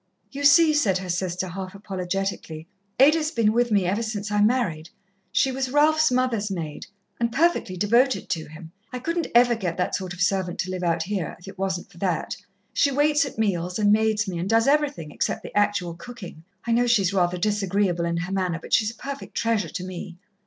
"You see," said her sister half apologetically, "Ada's been with me ever since I married. She was Ralph's mother's maid, and perfectly devoted to him. I couldn't ever get that sort of servant to live out here, if it wasn't for that she waits at meals, and maids me, and does everything, except the actual cooking. I know she's rather disagreeable in her manner, but she's a perfect treasure to me."